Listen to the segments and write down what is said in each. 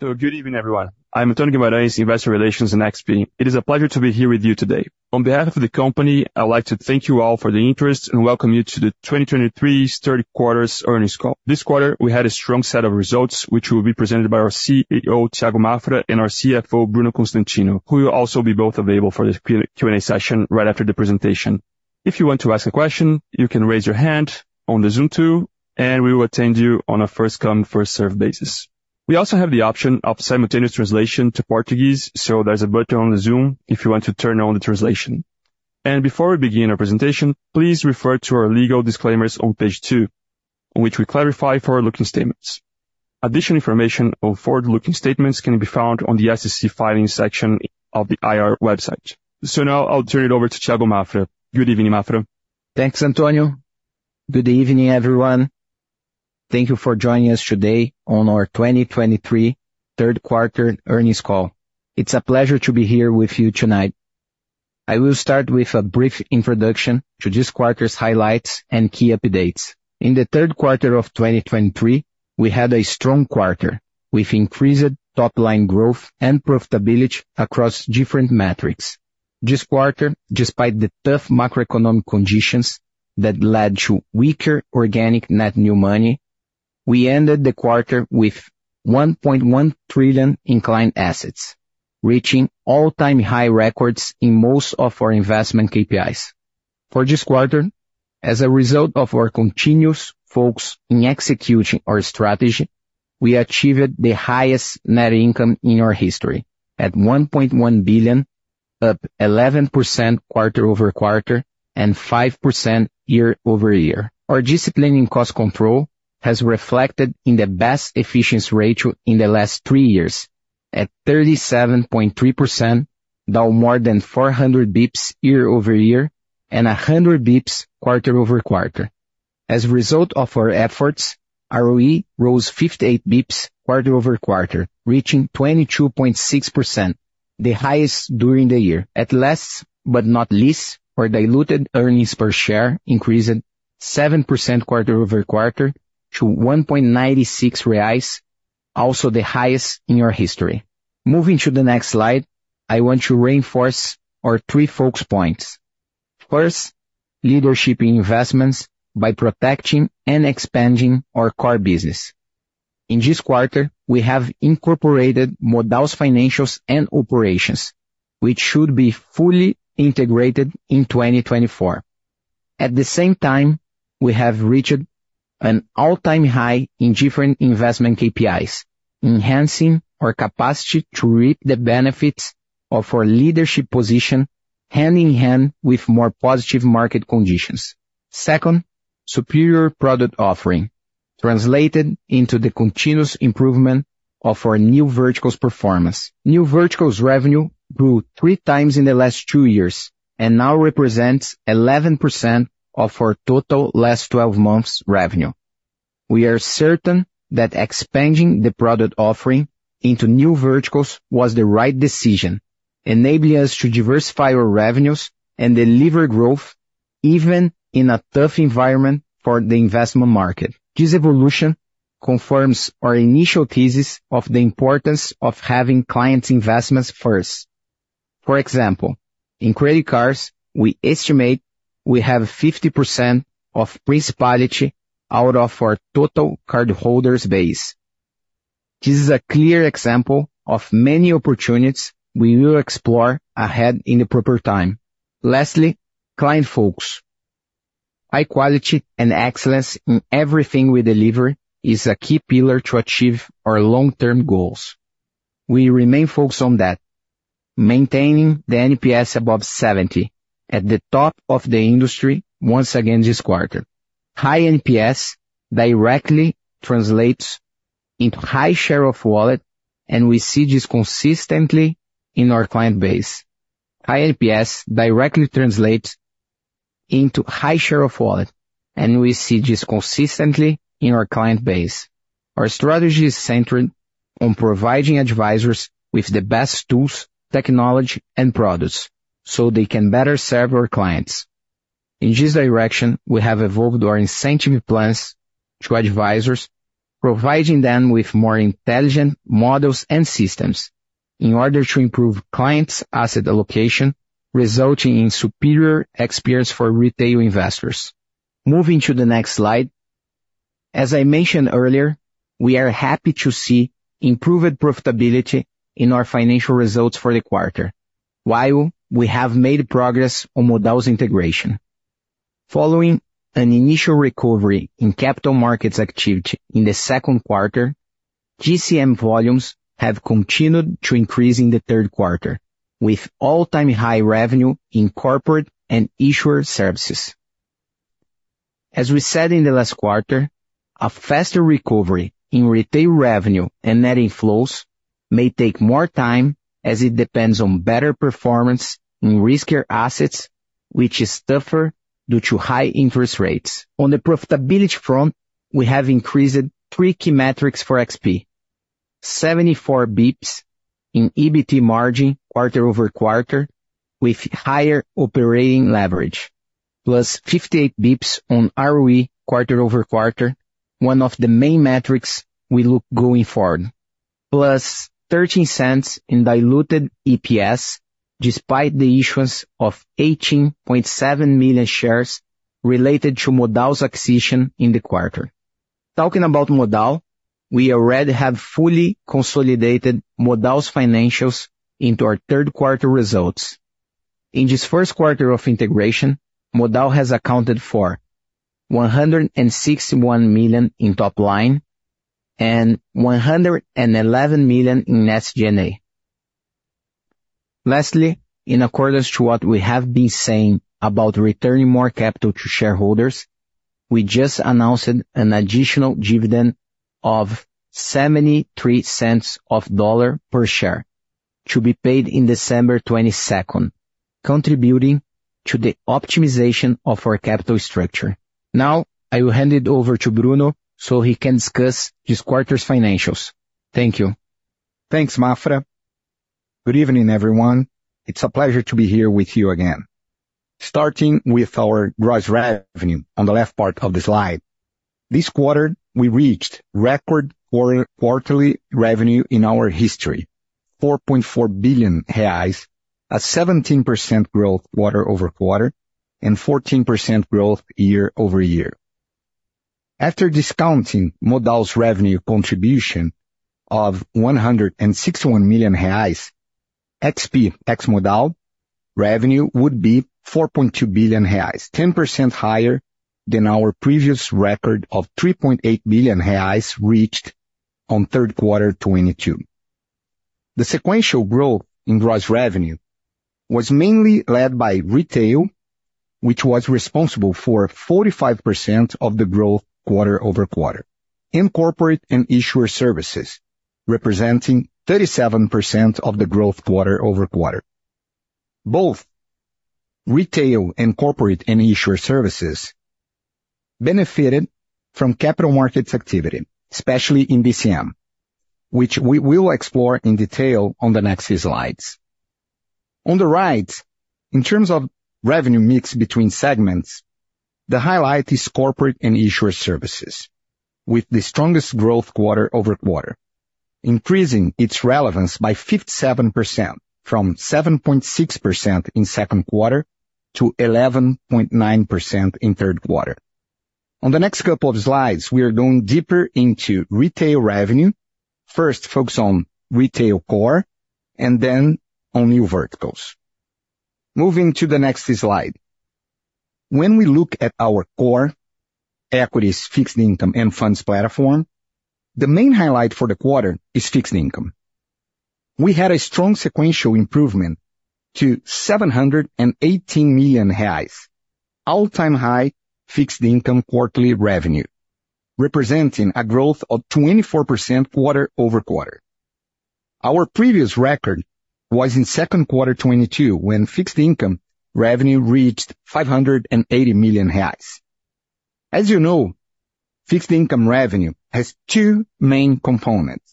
So good evening, everyone. I'm Antonio Guimarães, Investor Relations in XP. It is a pleasure to be here with you today. On behalf of the company, I'd like to thank you all for the interest and welcome you to the 2023 Third Quarter's earnings call. This quarter, we had a strong set of results, which will be presented by our CEO, Thiago Maffra, and our CFO, Bruno Constantino, who will also be both available for the Q&A session right after the presentation. If you want to ask a question, you can raise your hand on the Zoom tool, and we will attend you on a first-come, first-served basis. We also have the option of simultaneous translation to Portuguese, so there's a button on the Zoom if you want to turn on the translation. Before we begin our presentation, please refer to our legal disclaimers on page two, in which we clarify our forward-looking statements. Additional information on forward-looking statements can be found on the SEC Filings section of the IR website. Now I'll turn it over to Thiago Maffra. Good evening, Maffra. Thanks, Antonio. Good evening, everyone. Thank you for joining us today on our 2023 Third Quarter earnings call. It's a pleasure to be here with you tonight. I will start with a brief introduction to this quarter's highlights and key updates. In the Third Quarter of 2023, we had a strong quarter, with increased top-line growth and profitability across different metrics. This quarter, despite the tough macroeconomic conditions that led to weaker organic net new money, we ended the quarter with 1.1 trillion in client assets, reaching all-time high records in most of our investment KPIs. For this quarter, as a result of our continuous focus in executing our strategy, we achieved the highest net income in our history, at 1.1 billion, up 11% quarter-over-quarter and 5% year-over-year. Our discipline in cost control has reflected in the best efficiency ratio in the last three years, at 37.3%, down more than 400 bps year-over-year and 100 bps quarter-over-quarter. As a result of our efforts, ROE rose 58 bps quarter-over-quarter, reaching 22.6%, the highest during the year. At last but not least, our diluted earnings per share increased 7% quarter-over-quarter to 1.96 reais, also the highest in our history. Moving to the next slide, I want to reinforce our three focus points. First, leadership in investments by protecting and expanding our core business. In this quarter, we have incorporated Modal's financials and operations, which should be fully integrated in 2024. At the same time, we have reached an all-time high in different investment KPIs, enhancing our capacity to reap the benefits of our leadership position, hand in hand with more positive market conditions. Second, superior product offering, translated into the continuous improvement of our new verticals performance. New verticals revenue grew 3x in the last 2 years and now represents 11% of our total last 12 months revenue. We are certain that expanding the product offering into new verticals was the right decision, enabling us to diversify our revenues and deliver growth even in a tough environment for the investment market. This evolution confirms our initial thesis of the importance of having clients' investments first. For example, in credit cards, we estimate we have 50% of penetration out of our total cardholders base. This is a clear example of many opportunities we will explore ahead in the proper time. Lastly, client focus. High quality and excellence in everything we deliver is a key pillar to achieve our long-term goals. We remain focused on that, maintaining the NPS above 70, at the top of the industry once again this quarter. High NPS directly translates into high share of wallet, and we see this consistently in our client base. High NPS directly translates into high share of wallet, and we see this consistently in our client base. Our strategy is centered on providing advisors with the best tools, technology, and products so they can better serve our clients. In this direction, we have evolved our incentive plans to advisors, providing them with more intelligent models and systems in order to improve clients' asset allocation, resulting in superior experience for retail investors. Moving to the next slide, as I mentioned earlier, we are happy to see improved profitability in our financial results for the quarter, while we have made progress on Modal's integration. Following an initial recovery in capital markets activity in the Second Quarter, DCM volumes have continued to increase in the Third Quarter, with all-time high revenue in corporate and issuer services. As we said in the last quarter, a faster recovery in retail revenue and net inflows may take more time, as it depends on better performance in riskier assets, which is tougher due to high interest rates. On the profitability front, we have increased three key metrics for XP: 74 bps in EBT margin quarter-over-quarter with higher operating leverage, plus 58 bps on ROE quarter-over-quarter, one of the main metrics we look going forward. +$0.13 in diluted EPS, despite the issuance of 18.7 million shares related to Modal's acquisition in the quarter. Talking about Modal, we already have fully consolidated Modal's financials into our Third Quarter results. In this First Quarter of integration, Modal has accounted for 161 million in top line and 111 million in SG&A. Lastly, in accordance to what we have been saying about returning more capital to shareholders, we just announced an additional dividend of $0.73 per share, to be paid in December 22, contributing to the optimization of our capital structure. Now, I will hand it over to Bruno, so he can discuss this quarter's financials. Thank you. Thanks, Maffra. Good evening, everyone. It's a pleasure to be here with you again. Starting with our gross revenue on the left part of the slide. This quarter, we reached record quarterly revenue in our history, 4.4 billion reais, a 17% growth quarter-over-quarter, and 14% growth year-over-year. After discounting Modal's revenue contribution of 161 million reais, XP ex Modal revenue would be 4.2 billion reais, 10% higher than our previous record of 3.8 billion reais, reached on Q3 2022. The sequential growth in gross revenue was mainly led by retail, which was responsible for 45% of the growth quarter-over-quarter, and corporate and issuer services, representing 37% of the growth quarter-over-quarter. Both retail and corporate and issuer services benefited from capital markets activity, especially in DCM, which we will explore in detail on the next slides. On the right, in terms of revenue mix between segments, the highlight is corporate and issuer services, with the strongest growth quarter-over-quarter, increasing its relevance by 57%, from 7.6% in Second Quarter to 11.9% in Third Quarter. On the next couple of slides, we are going deeper into retail revenue, first, focus on retail core and then on new verticals. Moving to the next slide. When we look at our core equities, fixed income and funds platform, the main highlight for the quarter is fixed income. We had a strong sequential improvement to 718 million reais, all-time high fixed income quarterly revenue, representing a growth of 24% quarter-over-quarter. Our previous record was in Second Quarter 2022, when fixed income revenue reached 580 million reais. As you know, fixed income revenue has two main components: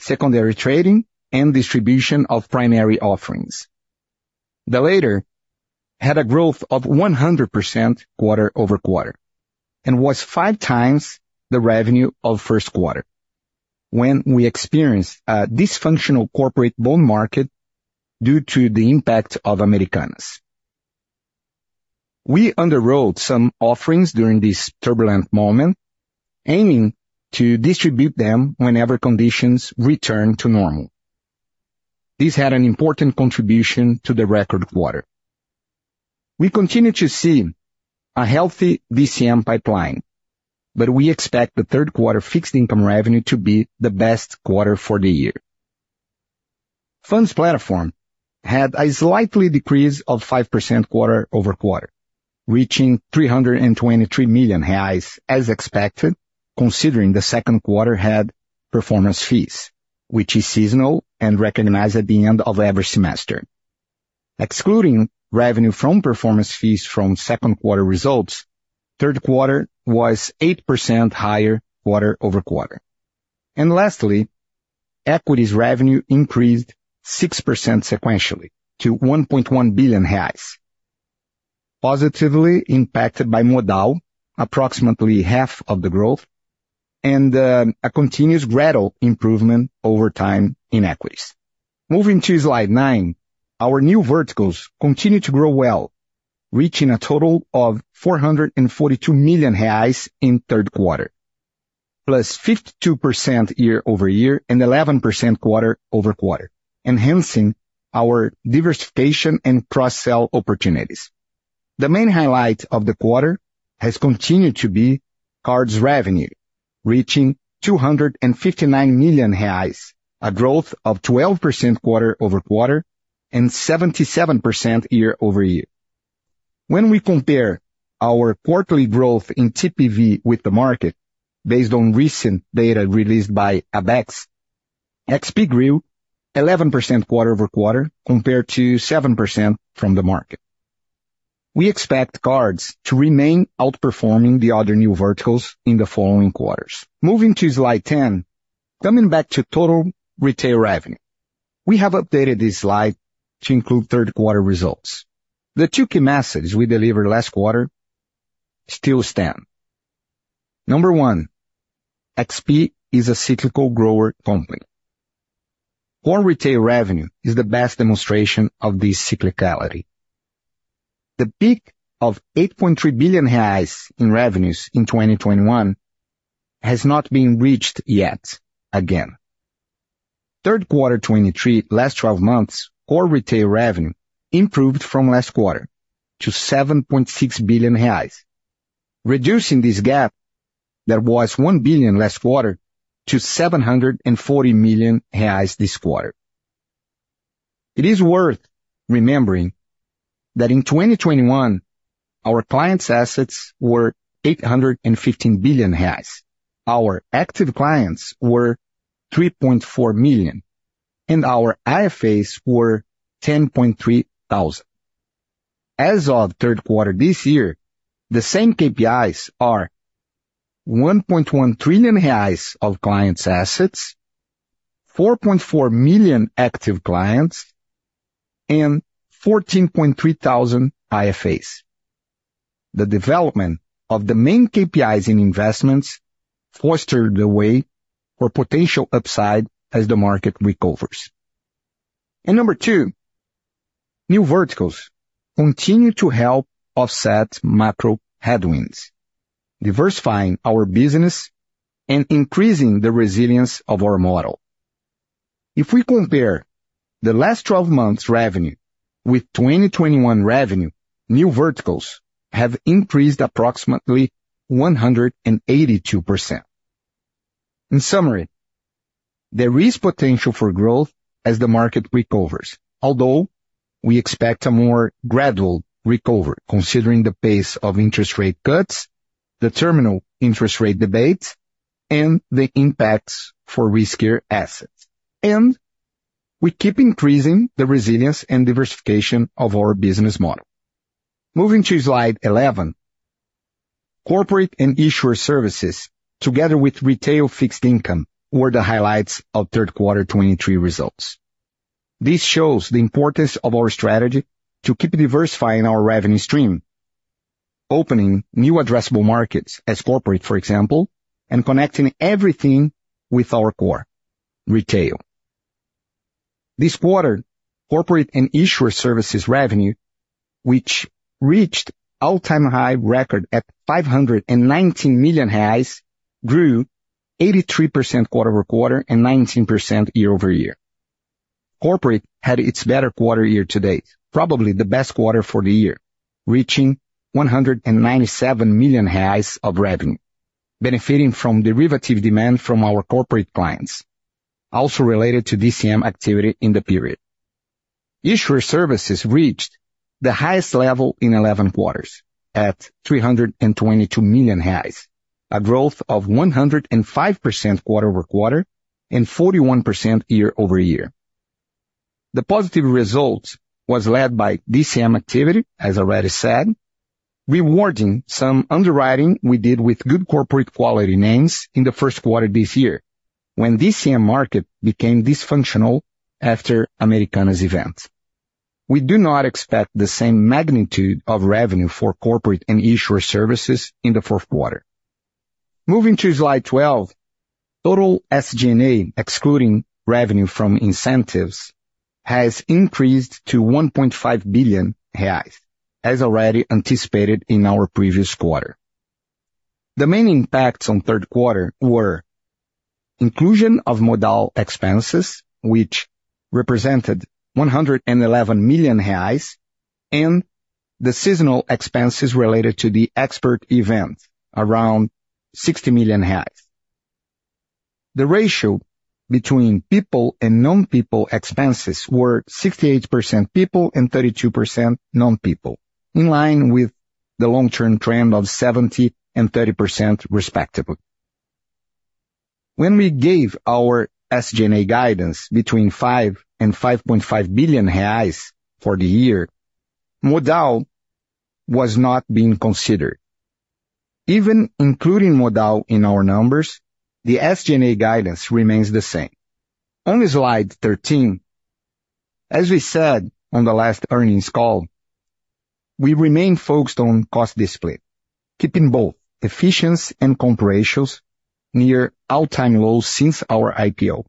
secondary trading and distribution of primary offerings. The latter had a growth of 100% quarter-over-quarter and was five times the revenue of First Quarter, when we experienced a dysfunctional corporate bond market due to the impact of Americanas. We underwrote some offerings during this turbulent moment, aiming to distribute them whenever conditions return to normal. This had an important contribution to the record quarter. We continue to see a healthy DCM pipeline, but we expect the Third Quarter fixed income revenue to be the best quarter for the year. Funds platform had a slight decrease of 5% quarter-over-quarter, reaching 323 million reais as expected, considering the Second Quarter had performance fees, which is seasonal and recognized at the end of every semester. Excluding revenue from performance fees from Second Quarter results, Third Quarter was 8% higher quarter-over-quarter. Lastly, equities revenue increased 6% sequentially to 1.1 billion reais, positively impacted by Modal, approximately half of the growth, and a continuous gradual improvement over time in equities. Moving to slide 9. Our new verticals continue to grow well, reaching a total of 442 million reais in Third Quarter, +52% year-over-year, and 11% quarter-over-quarter, enhancing our diversification and cross-sell opportunities. The main highlight of the quarter has continued to be cards revenue, reaching 259 million reais, a growth of 12% quarter-over-quarter and 77% year-over-year. When we compare our quarterly growth in TPV with the market, based on recent data released by Abecs, XP grew 11% quarter-over-quarter, compared to 7% from the market. We expect cards to remain outperforming the other new verticals in the following quarters. Moving to slide 10. Coming back to total retail revenue.... We have updated this slide to include Third Quarter results. The two key messages we delivered last quarter still stand. Number one, XP is a cyclical grower company. Core retail revenue is the best demonstration of this cyclicality. The peak of 8.3 billion reais in revenues in 2021 has not been reached yet again. Third quarter 2023, last twelve months, core retail revenue improved from last quarter to 7.6 billion reais, reducing this gap that was 1 billion last quarter to 740 million reais this quarter. It is worth remembering that in 2021, our clients' assets were 815 billion reais. Our active clients were 3.4 million, and our IFAs were 10.3 thousand. As of Third Quarter this year, the same KPIs are 1.1 trillion reais of clients' assets, 4.4 million active clients, and 14.3 thousand IFAs. The development of the main KPIs in investments foster the way for potential upside as the market recovers. And number two, new verticals continue to help offset macro headwinds, diversifying our business and increasing the resilience of our model. If we compare the last 12 months revenue with 2021 revenue, new verticals have increased approximately 182%. In summary, there is potential for growth as the market recovers, although we expect a more gradual recovery considering the pace of interest rate cuts, the terminal interest rate debates, and the impacts for riskier assets. We keep increasing the resilience and diversification of our business model. Moving to slide 11, corporate and issuer services, together with retail fixed income, were the highlights of Third Quarter 2023 results. This shows the importance of our strategy to keep diversifying our revenue stream, opening new addressable markets as corporate, for example, and connecting everything with our core, retail. This quarter, corporate and issuer services revenue, which reached all-time high record at 519 million reais, grew 83% quarter-over-quarter and 19% year-over-year. Corporate had its better quarter year-to-date, probably the best quarter for the year, reaching 197 million reais of revenue, benefiting from derivative demand from our corporate clients, also related to DCM activity in the period. Issuer services reached the highest level in 11 quarters, at 322 million reais, a growth of 105% quarter-over-quarter and 41% year-over-year. The positive results was led by DCM activity, as I already said, rewarding some underwriting we did with good corporate quality names in the First Quarter this year, when DCM market became dysfunctional after Americanas's event. We do not expect the same magnitude of revenue for corporate and issuer services in the Fourth Quarter. Moving to slide 12, total SG&A, excluding revenue from incentives, has increased to 1.5 billion reais, as already anticipated in our previous quarter. The main impacts on Third Quarter were inclusion of Modal expenses, which represented 111 million reais, and the seasonal expenses related to the Expert event, around 60 million reais. The ratio between people and non-people expenses were 68% people and 32% non-people, in line with the long-term trend of 70% and 30%, respectively. When we gave our SG&A guidance between 5 billion and 5.5 billion reais for the year, Modal was not being considered. Even including Modal in our numbers, the SG&A guidance remains the same. On slide 13, as we said on the last earnings call, we remain focused on cost discipline, keeping both efficiency and comp ratios near all-time lows since our IPO.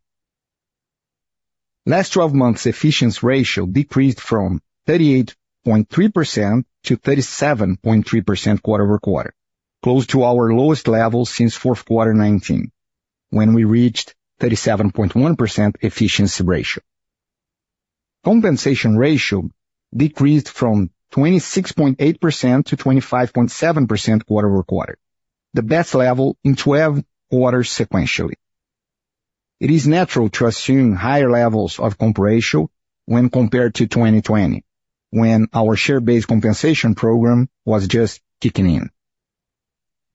Last twelve months, efficiency ratio decreased from 38.3% to 37.3% quarter-over-quarter, close to our lowest level since Fourth Quarter 2019, when we reached 37.1% efficiency ratio. Compensation ratio decreased from 26.8% to 25.7% quarter-over-quarter, the best level in 12 quarters sequentially. It is natural to assume higher levels of comp ratio when compared to 2020, when our share-based compensation program was just kicking in.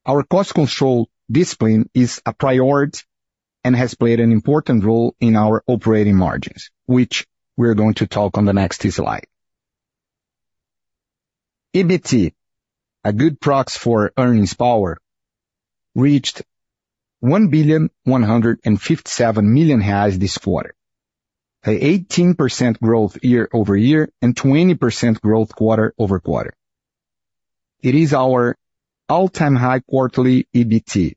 Our cost control discipline is a priority and has played an important role in our operating margins, which we are going to talk on the next slide... EBT, a good proxy for earnings power, reached 1.157 billion this quarter, an 18% growth year-over-year, and 20% growth quarter-over-quarter. It is our all-time high quarterly EBT,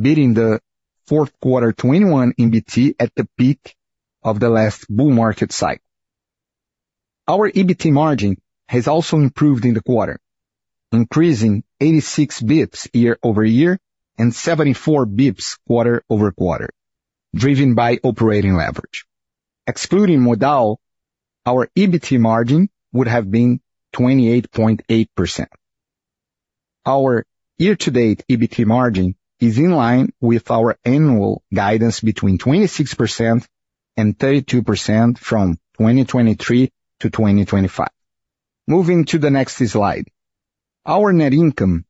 beating the Fourth Quarter 2021 EBT at the peak of the last bull market cycle. Our EBT margin has also improved in the quarter, increasing 86 bps year-over-year, and 74 bps quarter-over-quarter, driven by operating leverage. Excluding Modal, our EBT margin would have been 28.8%. Our year-to-date EBT margin is in line with our annual guidance between 26% and 32% from 2023 to 2025. Moving to the next slide. Our net income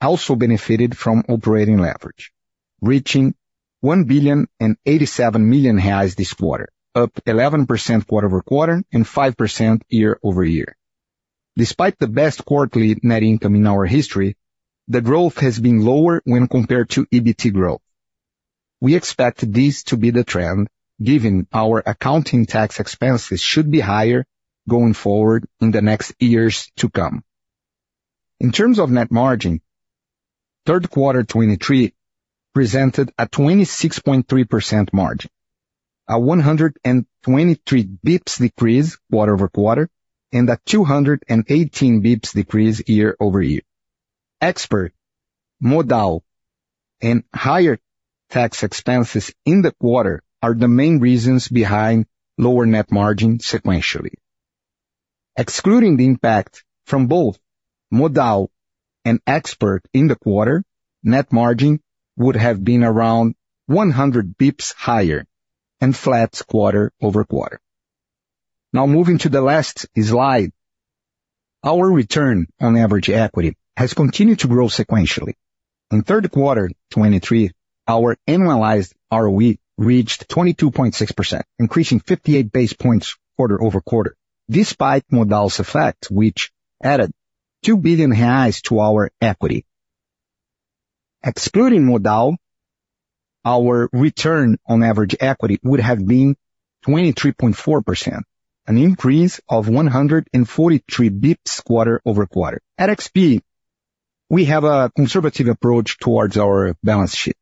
also benefited from operating leverage, reaching 1.087 billion this quarter, up 11% quarter-over-quarter and 5% year-over-year. Despite the best quarterly net income in our history, the growth has been lower when compared to EBT growth. We expect this to be the trend, given our accounting tax expenses should be higher going forward in the next years to come. In terms of net margin, Third Quarter 2023 presented a 26.3% margin, a 123 basis points decrease quarter-over-quarter, and a 218 basis points decrease year-over-year. Expert, Modal and higher tax expenses in the quarter are the main reasons behind lower net margin sequentially. Excluding the impact from both Modal and Expert in the quarter, net margin would have been around 100 basis points higher and flat quarter-over-quarter. Now moving to the last slide. Our return on average equity has continued to grow sequentially. In Third Quarter 2023, our annualized ROE reached 22.6%, increasing 58 basis points quarter-over-quarter, despite Modal's effect, which added 2 billion reais to our equity. Excluding Modal, our return on average equity would have been 23.4%, an increase of 143 bps quarter-over-quarter. At XP, we have a conservative approach towards our balance sheet,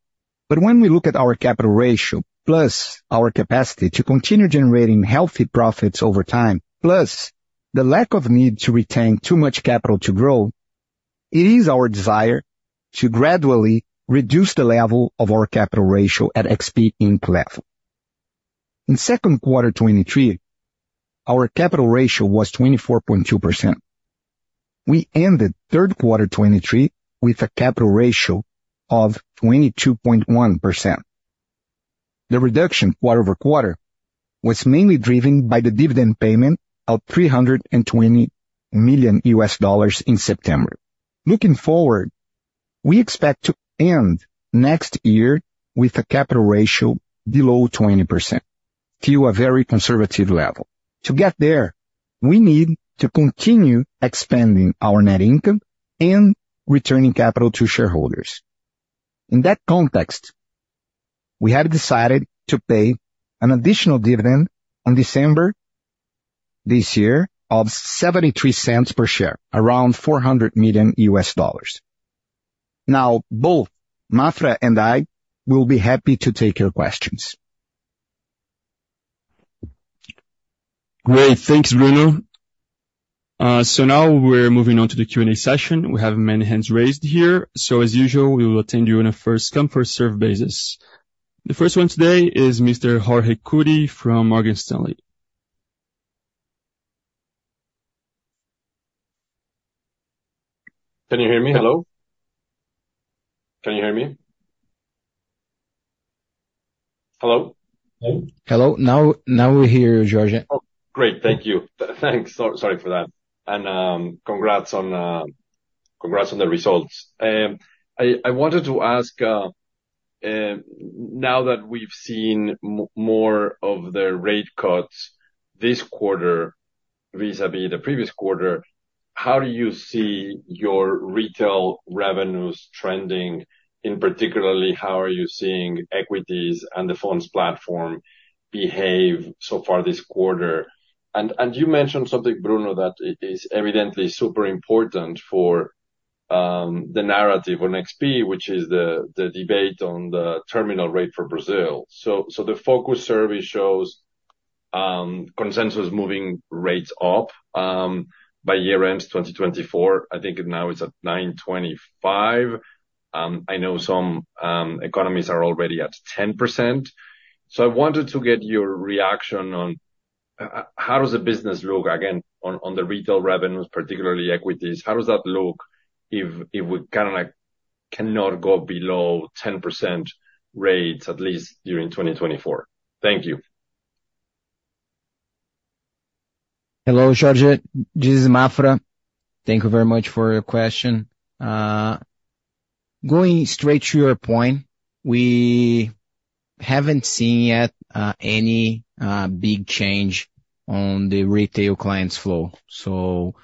but when we look at our capital ratio, plus our capacity to continue generating healthy profits over time, plus the lack of need to retain too much capital to grow, it is our desire to gradually reduce the level of our capital ratio at XP Inc. level. In Second Quarter 2023, our capital ratio was 24.2%. We ended Third Quarter 2023 with a capital ratio of 22.1%. The reduction quarter-over-quarter was mainly driven by the dividend payment of $320 million in September. Looking forward, we expect to end next year with a capital ratio below 20%, to a very conservative level. To get there, we need to continue expanding our net income and returning capital to shareholders. In that context, we have decided to pay an additional dividend on December this year of $0.73 per share, around $400 million. Now, both Maffra and I will be happy to take your questions. Great. Thanks, Bruno. So now we're moving on to the Q&A session. We have many hands raised here, so as usual, we will attend you on a first come, first serve basis. The first one today is Mr. Jorge Kuri from Morgan Stanley. Can you hear me? Hello? Can you hear me? Hello? Hello? Hello. Now, now we hear you, Jorge. Oh, great. Thank you. Thanks. So sorry for that. And, congrats on, congrats on the results. I wanted to ask, now that we've seen more of the rate cuts this quarter, vis-à-vis the previous quarter, how do you see your retail revenues trending? In particular, how are you seeing equities and the funds platform behave so far this quarter? And you mentioned something, Bruno, that is evidently super important for the narrative on XP, which is the debate on the terminal rate for Brazil. So the Focus survey shows consensus moving rates up by year-end 2024. I think now it's at 9.25%. I know some economies are already at 10%. So I wanted to get your reaction on how does the business look again on the retail revenues, particularly equities. How does that look if we kind of like cannot go below 10% rates, at least during 2024? Thank you. Hello, Jorge, this is Maffra. Thank you very much for your question. Going straight to your point, we haven't seen yet any big change on the retail clients flow. So,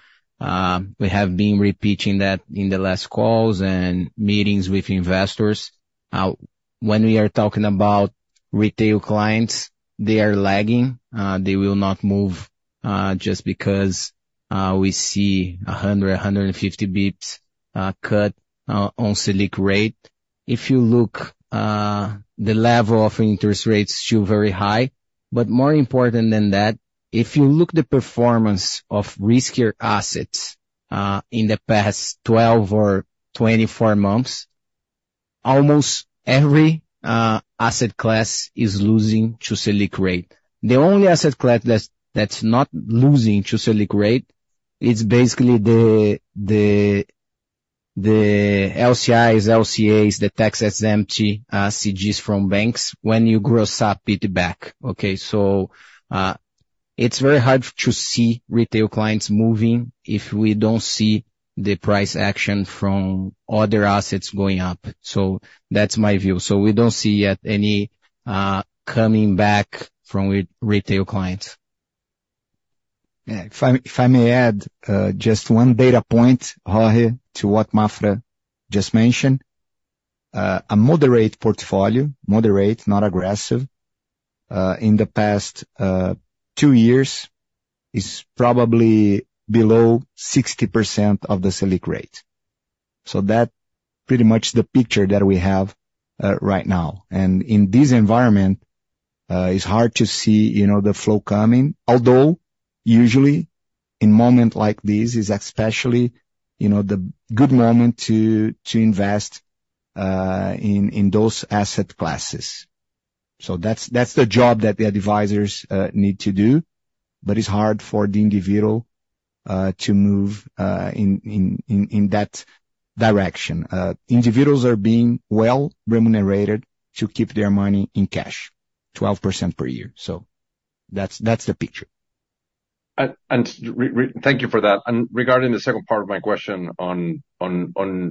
we have been repeating that in the last calls and meetings with investors. When we are talking about retail clients, they are lagging. They will not move just because we see 150 bps cut on Selic rate. If you look, the level of interest rates is still very high, but more important than that, if you look the performance of riskier assets in the past 12 or 24 months, almost every asset class is losing to Selic rate. The only asset class that's not losing to Selic Rate, it's basically the LCIs, LCAs, the tax-exempt LIGs from banks when you gross up it back, okay? So, it's very hard to see retail clients moving if we don't see the price action from other assets going up. So that's my view. So we don't see yet any coming back from retail clients. Yeah. If I, if I may add, just one data point, Jorge, to what Maffra just mentioned. A moderate portfolio, moderate, not aggressive, in the past two years, is probably below 60% of the Selic rate. So that pretty much the picture that we have right now. And in this environment, it's hard to see, you know, the flow coming, although usually in moment like this, is especially, you know, the good moment to, to invest in, in those asset classes. So that's, that's the job that the advisors need to do, but it's hard for the individual to move in that direction. Individuals are being well remunerated to keep their money in cash, 12% per year. So that's, that's the picture. Thank you for that. Regarding the second part of my question on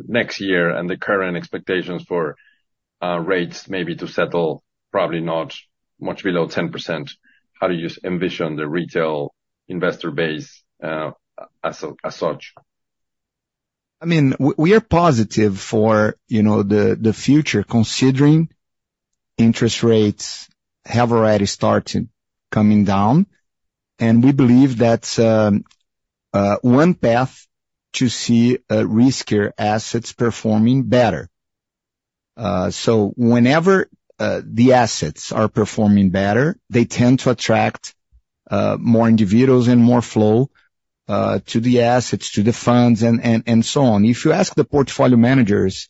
next year and the current expectations for rates maybe to settle, probably not much below 10%, how do you envision the retail investor base, as such? I mean, we are positive for, you know, the future, considering interest rates have already started coming down, and we believe that's one path to see riskier assets performing better. So whenever the assets are performing better, they tend to attract more individuals and more flow to the assets, to the funds and so on. If you ask the portfolio managers,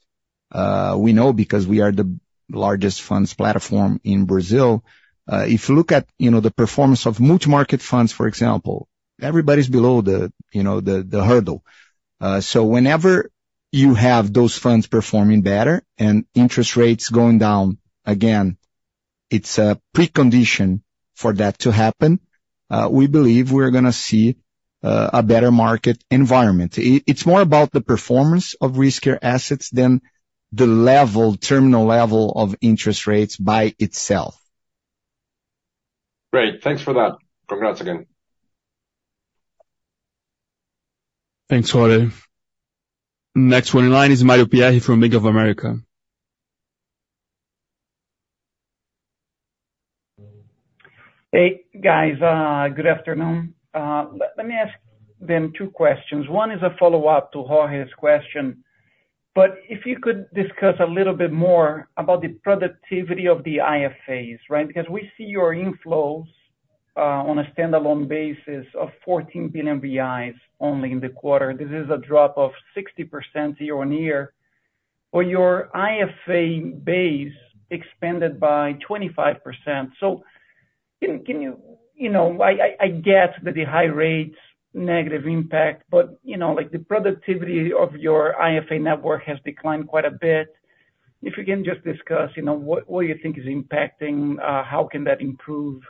we know because we are the largest funds platform in Brazil, if you look at, you know, the performance of multi-market funds, for example, everybody's below the, you know, the hurdle. So whenever you have those funds performing better and interest rates going down, again, it's a precondition for that to happen. We believe we're gonna see a better market environment. It's more about the performance of riskier assets than the level, terminal level of interest rates by itself. Great, thanks for that. Congrats again. Thanks, Jorge. Next one in line is Mario Pierry from Bank of America. Hey, guys, good afternoon. Let me ask then two questions. One is a follow-up to Jorge's question, but if you could discuss a little bit more about the productivity of the IFAs, right? Because we see your inflows on a standalone basis of 14 billion only in the quarter. This is a drop of 60% year-on-year. But your IFA base expanded by 25%. So can you... You know, I get that the high rates, negative impact, but, you know, like, the productivity of your IFA network has declined quite a bit. If you can just discuss, you know, what you think is impacting, how can that improve?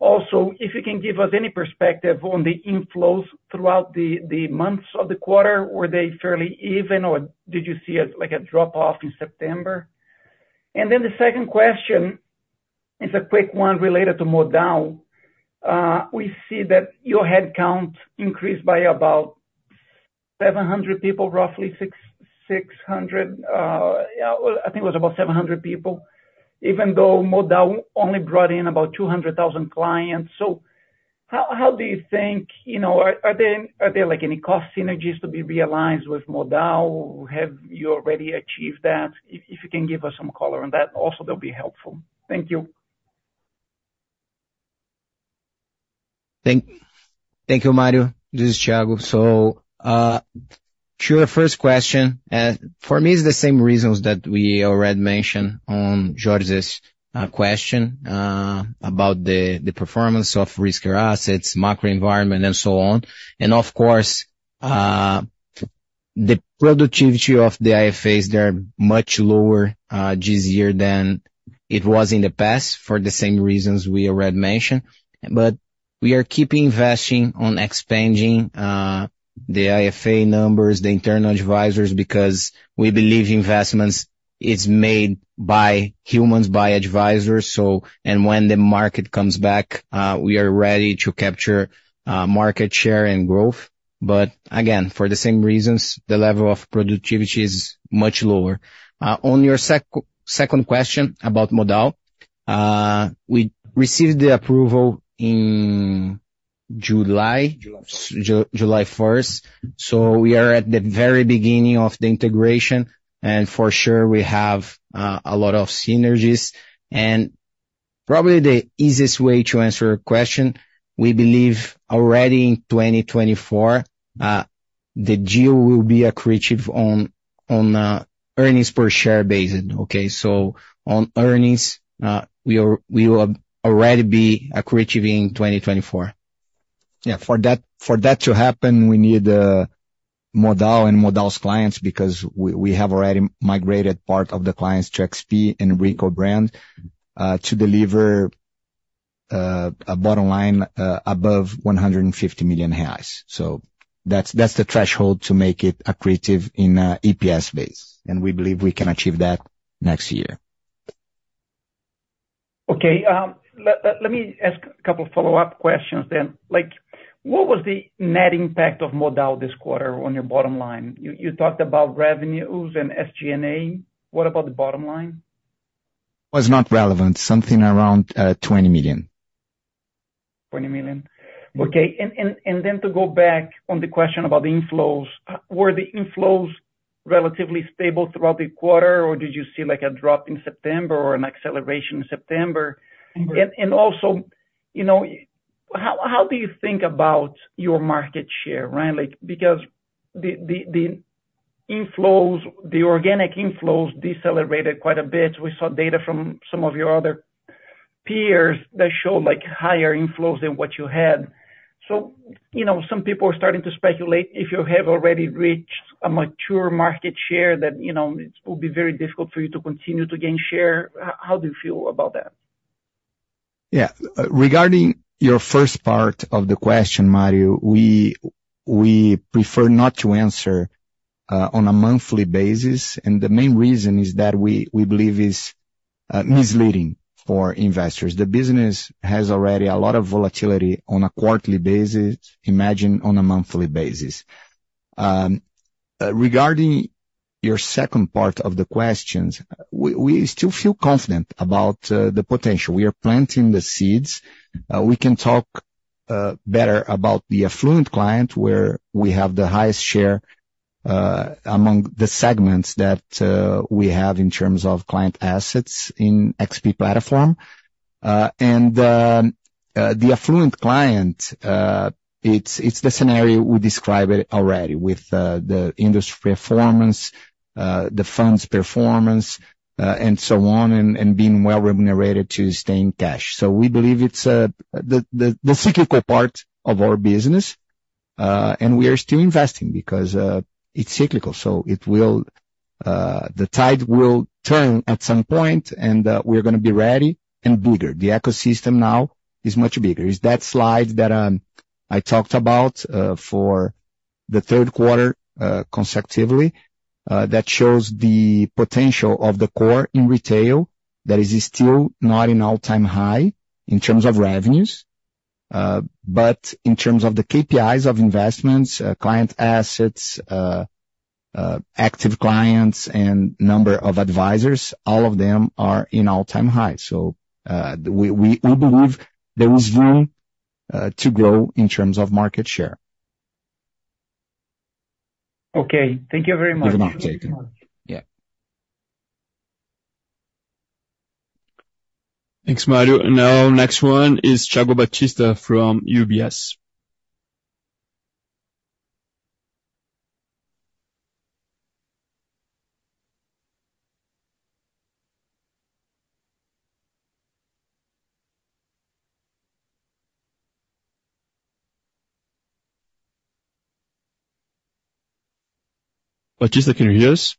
Also, if you can give us any perspective on the inflows throughout the months of the quarter, were they fairly even, or did you see a like a drop-off in September? And then the second question is a quick one related to Modal. We see that your headcount increased by about 700 people, roughly 600-600, yeah, well, I think it was about 700 people, even though Modal only brought in about 200,000 clients. So how do you think, you know... Are there like any cost synergies to be realigned with Modal? Have you already achieved that? If you can give us some color on that also, that'll be helpful. Thank you. Thank you, Mario. This is Thiago. So, to your first question, for me, it's the same reasons that we already mentioned on Jorge's question, about the performance of riskier assets, macro environment, and so on. And of course, the productivity of the IFAs, they are much lower this year than it was in the past for the same reasons we already mentioned, but we are keeping investing on expanding the IFA numbers, the internal advisors, because we believe investments is made by humans, by advisors, and when the market comes back, we are ready to capture market share and growth. But again, for the same reasons, the level of productivity is much lower. On your second question about Modal. We received the approval in July. July. July first. So we are at the very beginning of the integration, and for sure we have a lot of synergies. And probably the easiest way to answer your question, we believe already in 2024, the deal will be accretive on earnings per share basis, okay? So on earnings, we will already be accretive in 2024. Yeah. For that, for that to happen, we need Modal and Modal's clients, because we, we have already migrated part of the clients to XP and Rico brand, to deliver a bottom line above 150 million reais. So that's, that's the threshold to make it accretive in EPS base, and we believe we can achieve that next year. Okay, let me ask a couple follow-up questions then. Like, what was the net impact of Modal this quarter on your bottom line? You talked about revenues and SG&A. What about the bottom line? Was not relevant. Something around $20 million. $20 million. Okay. And then to go back on the question about the inflows. Were the inflows relatively stable throughout the quarter, or did you see, like, a drop in September or an acceleration in September? And also, you know, how do you think about your market share, right? Like, because the inflows, the organic inflows decelerated quite a bit. We saw data from some of your other peers that showed, like, higher inflows than what you had. So, you know, some people are starting to speculate if you have already reached a mature market share, that you know, it will be very difficult for you to continue to gain share. How do you feel about that? Yeah. Regarding your first part of the question, Mario, we prefer not to answer on a monthly basis, and the main reason is that we believe it's misleading for investors. The business has already a lot of volatility on a quarterly basis, imagine on a monthly basis. Regarding your second part of the questions, we still feel confident about the potential. We are planting the seeds. We can talk better about the affluent client, where we have the highest share among the segments that we have in terms of client assets in XP platform. And the affluent client, it's the scenario we described already with the industry performance, the fund's performance, and so on, and being well remunerated to stay in cash. So we believe it's the cyclical part of our business, and we are still investing because it's cyclical, so it will... The tide will turn at some point, and we're gonna be ready and bigger. The ecosystem now is much bigger. It's that slide that I talked about for the Third Quarter consecutively that shows the potential of the core in retail, that is still not an all-time high in terms of revenues, but in terms of the KPIs of investments, client assets, active clients and number of advisors, all of them are in all-time high. So we believe there is room to grow in terms of market share. Okay. Thank you very much. You're welcome. Yeah. Thanks, Mario. And now next one is Thiago Batista from UBS. Batista, can you hear us?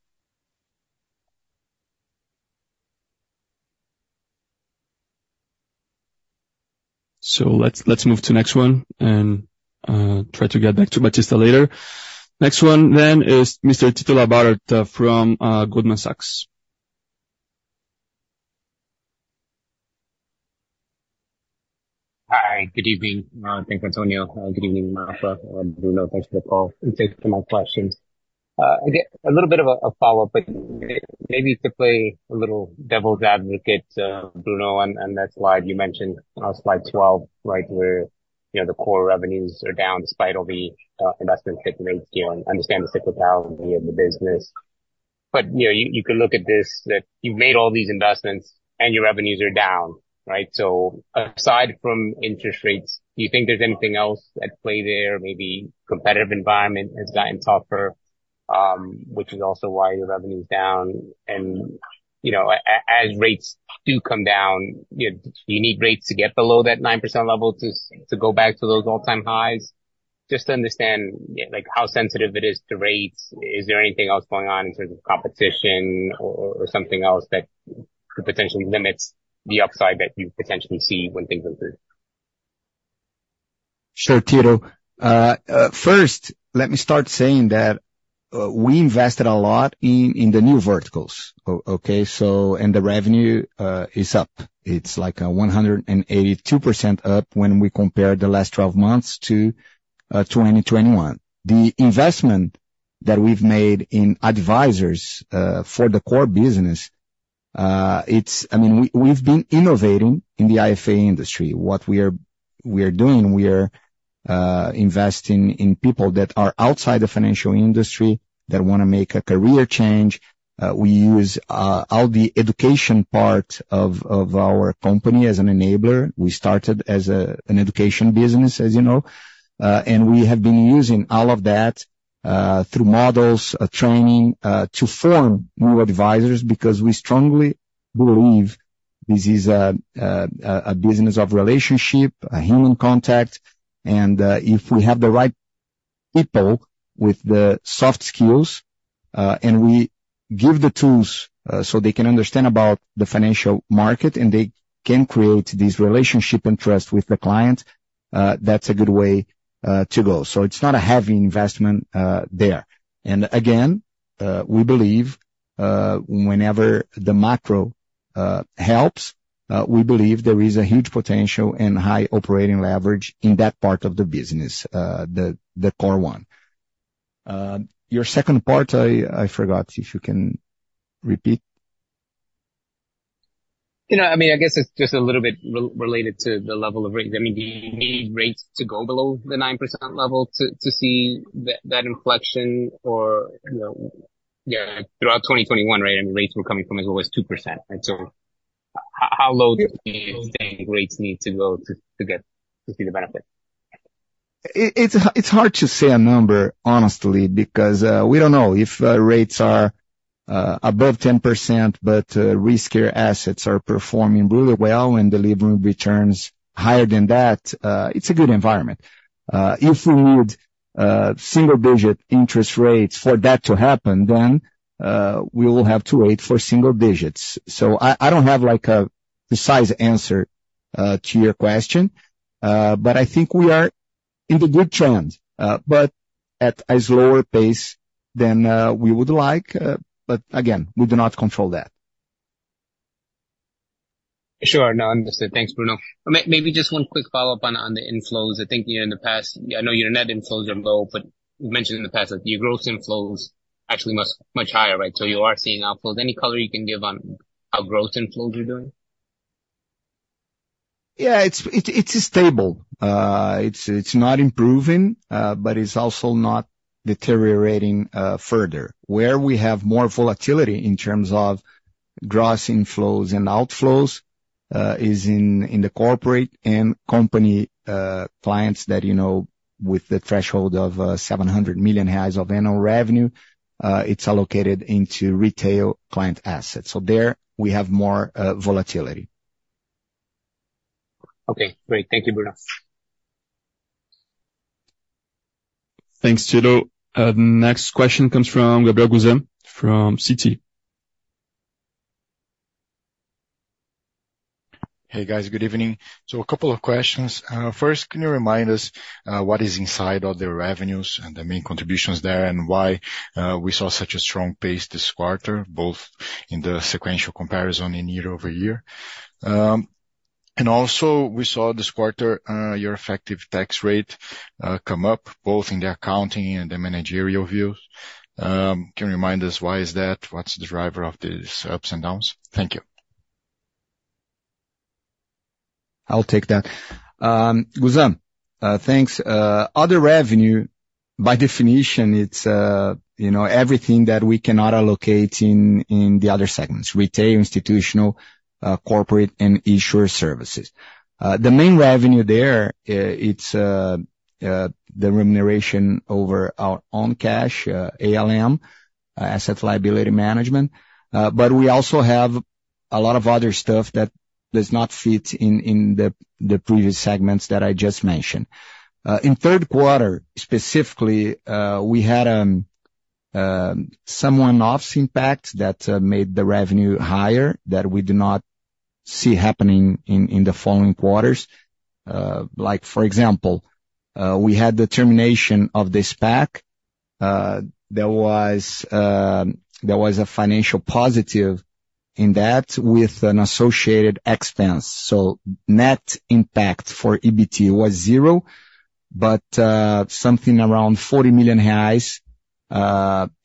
So let's move to next one and try to get back to Batista later. Next one then is Mr. Tito Labarta from Goldman Sachs. Hi, good evening. Thanks, Antonio. Good evening, Maffra and Bruno. Thanks for the call and thanks for my questions. Again, a little bit of a follow-up, but maybe to play a little devil's advocate, Bruno, and that slide you mentioned, slide 12, right, where, you know, the core revenues are down despite all the investments that you made. I understand the cyclicality of the business, but, you know, you can look at this, that you've made all these investments and your revenues are down, right? So aside from interest rates, do you think there's anything else at play there, maybe competitive environment has gotten tougher, which is also why your revenue is down, and, you know, as rates do come down, you know, do you need rates to get below that 9% level to go back to those all-time highs? Just to understand, like, how sensitive it is to rates, is there anything else going on in terms of competition or something else that could potentially limit the upside that you potentially see when things improve? Sure, Tito. First, let me start saying that we invested a lot in the new verticals. Okay? So and the revenue is up. It's like 182% up when we compare the last twelve months to 2021. The investment that we've made in advisors for the core business, it's... I mean, we, we've been innovating in the IFA industry. What we are, we are doing, we are investing in people that are outside the financial industry, that wanna make a career change. We use all the education part of our company as an enabler. We started as an education business, as you know. And we have been using all of that through models training to form new advisors, because we strongly believe this is a business of relationship, a human contact, and if we have the right people with the soft skills and we give the tools so they can understand about the financial market, and they can create this relationship and trust with the client, that's a good way to go. So it's not a heavy investment there. And again, we believe whenever the macro helps, we believe there is a huge potential and high operating leverage in that part of the business, the core one. Your second part, I forgot. If you can repeat? You know, I mean, I guess it's just a little bit related to the level of rates. I mean, do you need rates to go below the 9% level to see that inflection or, you know, yeah, throughout 2021, right? I mean, rates were coming from as low as 2%, right? So how low do you think rates need to go to get... to see the benefit? It's hard to say a number, honestly, because we don't know. If rates are above 10%, but riskier assets are performing really well and delivering returns higher than that, it's a good environment. If we need single-digit interest rates for that to happen, then we will have to wait for single digits. So I don't have, like, a precise answer to your question, but I think we are in the good trend, but at a slower pace than we would like. But again, we do not control that. Sure. No, understood. Thanks, Bruno. Maybe just one quick follow-up on the inflows. I think in the past, I know your net inflows are low, but you mentioned in the past that your growth inflows actually much, much higher, right? So you are seeing outflows. Any color you can give on how growth inflows are doing? Yeah, it's stable. It's not improving, but it's also not deteriorating further. Where we have more volatility in terms of gross inflows and outflows is in the corporate and company clients that, you know, with the threshold of 700 million reais of annual revenue, it's allocated into retail client assets. So there, we have more volatility. Okay, great. Thank you, Bruno. Thanks, Tito. Next question comes from Gabriel Gusan, from Citi. Hey, guys, good evening. So a couple of questions. First, can you remind us what is inside of the revenues and the main contributions there, and why we saw such a strong pace this quarter, both in the sequential comparison in year-over-year? And also we saw this quarter your effective tax rate come up, both in the accounting and the managerial view. Can you remind us why is that? What's the driver of these ups and downs? Thank you. I'll take that. Gusan, thanks. Other revenue, by definition, it's, you know, everything that we cannot allocate in the other segments: retail, institutional, corporate, and insurer services. The main revenue there, it's the remuneration over our own cash, ALM, asset liability management. But we also have a lot of other stuff that does not fit in the previous segments that I just mentioned. In Third Quarter, specifically, we had some one-offs impact that made the revenue higher that we do not see happening in the following quarters. Like for example, we had the termination of the SPAC. There was a financial positive in that with an associated expense. So net impact for EBT was zero, but something around 40 million reais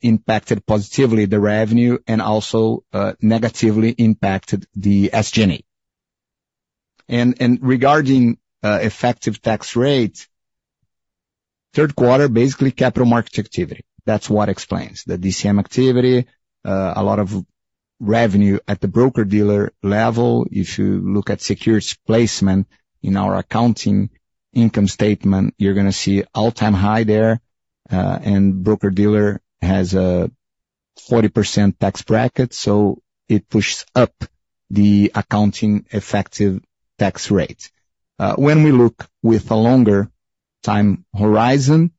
impacted positively the revenue and also negatively impacted the SG&A. And regarding effective tax rate, Third Quarter, basically capital market activity. That's what explains. The DCM activity, a lot of revenue at the broker-dealer level. If you look at securities placement in our accounting income statement, you're gonna see all-time high there, and broker-dealer has 40% tax bracket, so it pushes up the accounting effective tax rate. When we look with a longer time horizon,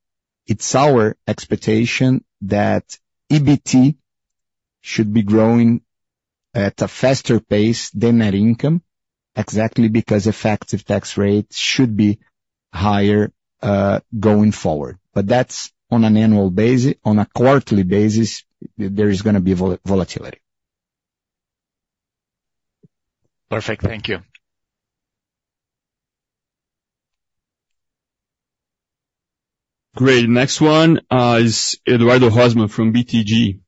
it's our expectation that EBT should be growing at a faster pace than net income, exactly because effective tax rates should be higher going forward. But that's on an annual basis. On a quarterly basis, there is gonna be volatility. Perfect. Thank you. Great. Next one, is Eduardo Rosman from BTG.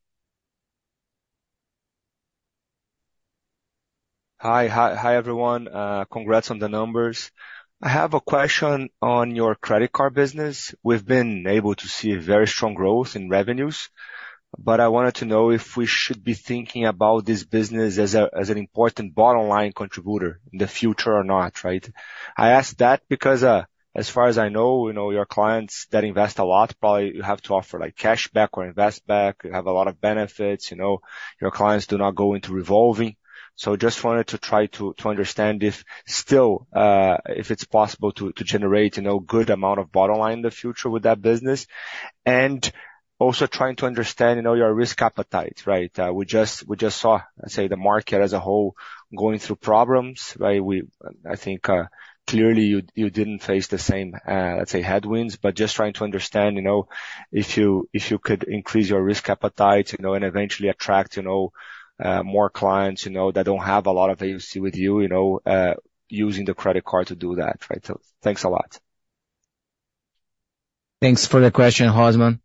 Hi everyone. Congrats on the numbers. I have a question on your credit card business. We've been able to see very strong growth in revenues, but I wanted to know if we should be thinking about this business as a, as an important bottom line contributor in the future or not, right? I ask that because, as far as I know, you know, your clients that invest a lot, probably you have to offer, like, cashback or invest back. You have a lot of benefits, you know, your clients do not go into revolving. So just wanted to try to, to understand if still, if it's possible to, to generate, you know, good amount of bottom line in the future with that business, and also trying to understand, you know, your risk appetite, right? We just saw the market as a whole going through problems, right? I think clearly you didn't face the same headwinds, but just trying to understand, you know, if you could increase your risk appetite, you know, and eventually attract, you know, more clients, you know, that don't have a lot of agency with you, you know, using the credit card to do that. Right. So thanks a lot. Thanks for the question, Rosman.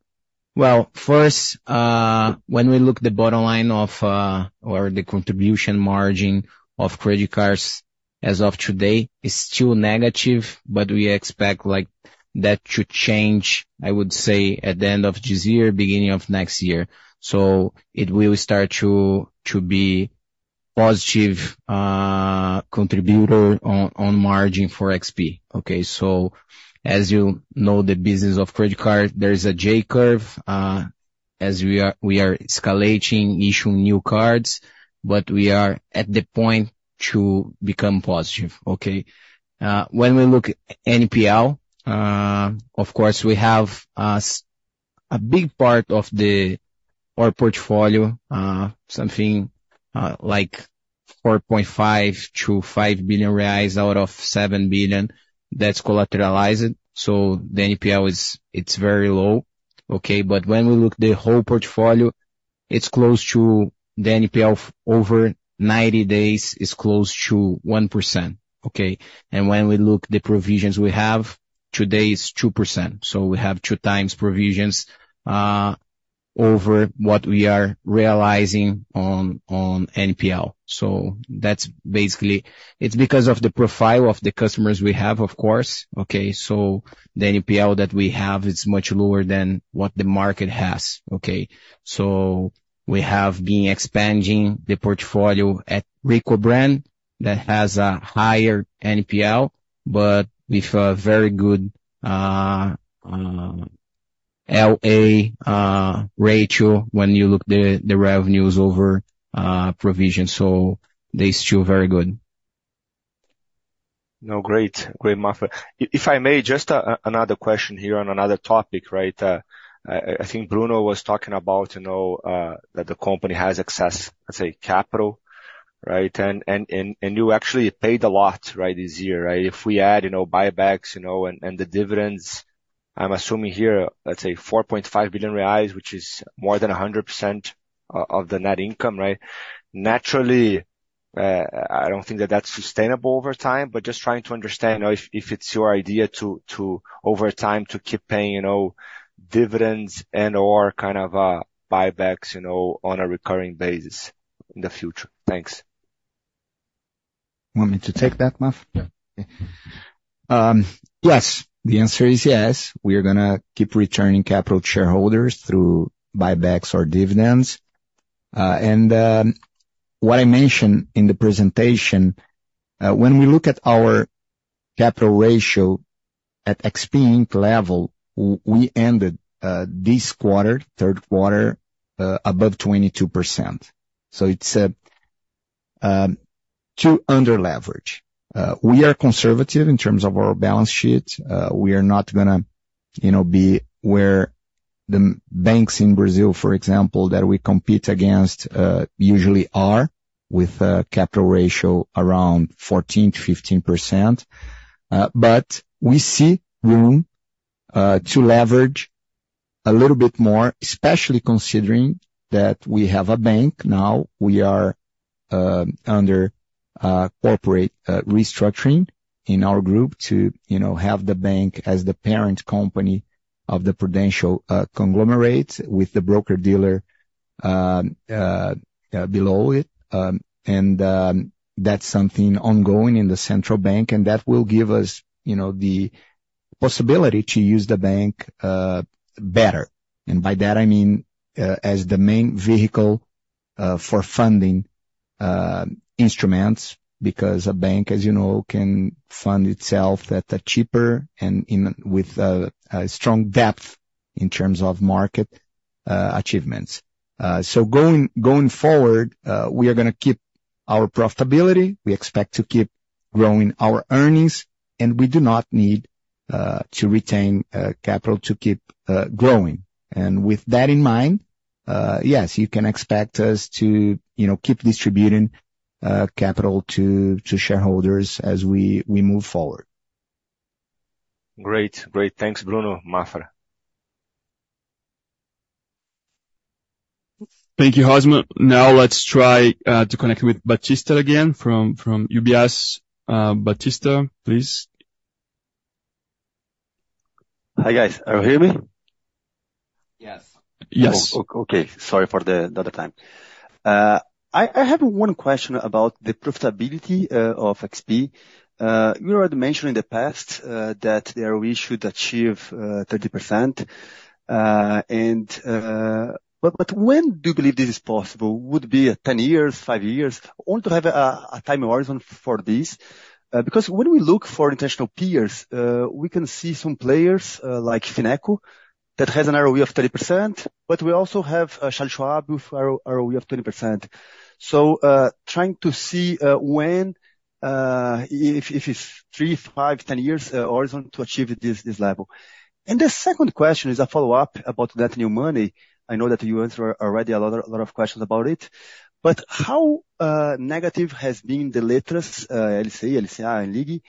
Well, first, when we look at the bottom line of, or the contribution margin of credit cards as of today, is still negative, but we expect, like, that to change, I would say, at the end of this year, beginning of next year. So it will start to be positive contributor on margin for XP, okay? So as you know, the business of credit card, there is a J curve, as we are escalating, issuing new cards, but we are at the point to become positive, okay? When we look at NPL, of course, we have a big part of our portfolio, something like 4.5-5 billion reais out of 7 billion, that's collateralized. So the NPL is, it's very low, okay? But when we look the whole portfolio, it's close to the NPL of over 90 days, is close to 1%, okay? And when we look the provisions we have, today is 2%, so we have two times provisions over what we are realizing on NPL. So that's basically... It's because of the profile of the customers we have, of course, okay? So the NPL that we have is much lower than what the market has, okay? So we have been expanding the portfolio at Rico brand that has a higher NPL, but with a very good RA ratio, when you look the revenues over provisions, so that is still very good. No, great. Great, Maffra. If I may, just another question here on another topic, right? I think Bruno was talking about, you know, that the company has excess, let's say, capital, right? And you actually paid a lot, right, this year, right? If we add, you know, buybacks, you know, and the dividends, I'm assuming here, let's say 4.5 billion reais, which is more than 100% of the net income, right? Naturally, I don't think that that's sustainable over time, but just trying to understand, you know, if it's your idea to, over time, to keep paying, you know, dividends and/or kind of buybacks, you know, on a recurring basis in the future. Thanks. You want me to take that, Maffra? Yeah. Yes. The answer is yes. We are gonna keep returning capital to shareholders through buybacks or dividends. And what I mentioned in the presentation, when we look at our capital ratio at XP Inc. level, we ended this quarter, Third Quarter, above 22%. So it's to under leverage. We are conservative in terms of our balance sheet. We are not gonna, you know, be where the banks in Brazil, for example, that we compete against, usually are, with a capital ratio around 14%-15%. But we see room to leverage a little bit more, especially considering that we have a bank now. We are under corporate restructuring in our group to, you know, have the bank as the parent company of the prudential conglomerate with the broker-dealer below it. And that's something ongoing in the central bank, and that will give us, you know, the possibility to use the bank better. And by that, I mean, as the main vehicle for funding instruments, because a bank, as you know, can fund itself at a cheaper and in with a strong depth in terms of market achievements. So going forward, we are gonna keep our profitability, we expect to keep growing our earnings, and we do not need to retain capital to keep growing. With that in mind, yes, you can expect us to, you know, keep distributing capital to shareholders as we move forward. Great. Great. Thanks, Bruno. Maffra. Thank you, Rosman. Now let's try to connect with Batista again from UBS. Batista, please. Hi, guys. Can you hear me? Yes. Yes. Okay, okay, sorry for the other time. I have one question about the profitability of XP. You already mentioned in the past that we should achieve 30%, and... But when do you believe this is possible? Would be 10 years, 5 years? I want to have a time horizon for this. Because when we look for international peers, we can see some players like Fineco that has an ROE of 30%, but we also have a Charles Schwab with ROE of 20%. So trying to see when, if it's 3, 5, 10 years horizon to achieve this level. And the second question is a follow-up about that new money. I know that you answered already a lot, a lot of questions about it, but how negative has been the letters LCI, LCR or LIG.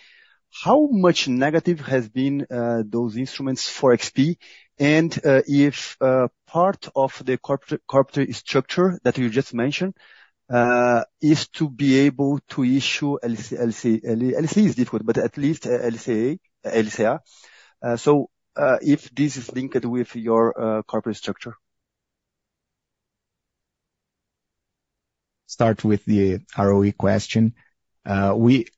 How much negative has been those instruments for XP? And if part of the corporate, corporate structure that you just mentioned is to be able to issue LCI, LCA. LCI is difficult, but at least LCA, LCR. So if this is linked with your corporate structure. Start with the ROE question. We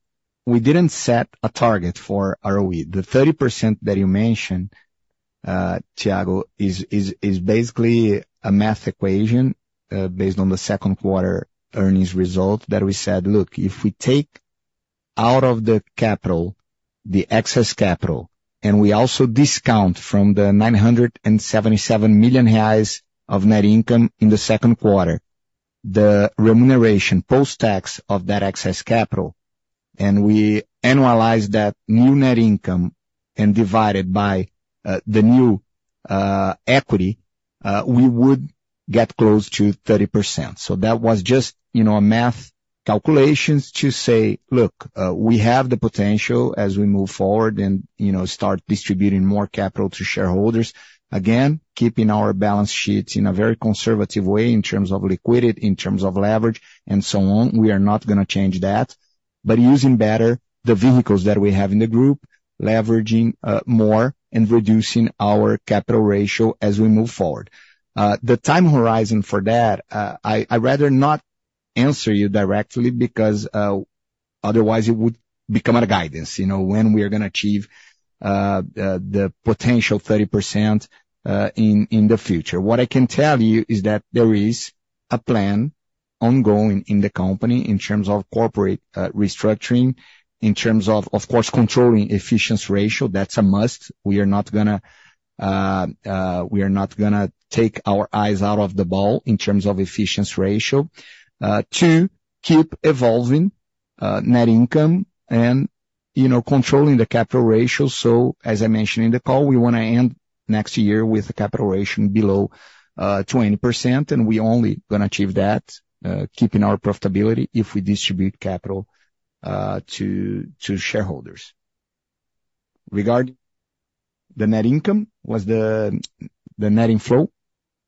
didn't set a target for ROE. The 30% that you mentioned, Thiago, is basically a math equation based on the Second Quarter earnings result that we said: Look, if we take out of the capital, the excess capital, and we also discount from the 977 million reais of net income in the Second Quarter, the remuneration post-tax of that excess capital, and we annualize that new net income and divide it by the new equity, we would get close to 30%. So that was just, you know, a math calculations to say: Look, we have the potential as we move forward and, you know, start distributing more capital to shareholders. Again, keeping our balance sheets in a very conservative way in terms of liquidity, in terms of leverage, and so on. We are not gonna change that, but using better the vehicles that we have in the group, leveraging more and reducing our capital ratio as we move forward. The time horizon for that, I rather not answer you directly because otherwise it would become our guidance, you know, when we are gonna achieve the potential 30% in the future. What I can tell you is that there is a plan ongoing in the company in terms of corporate restructuring, in terms of, of course, controlling efficiency ratio. That's a must. We are not gonna take our eyes out of the ball in terms of efficiency ratio. 2, keep evolving net income and, you know, controlling the capital ratio. So as I mentioned in the call, we wanna end next year with a capital ratio below 20%, and we only gonna achieve that keeping our profitability, if we distribute capital to shareholders. Regarding the net income, was the net inflow